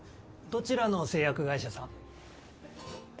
・どちらの製薬会社さん？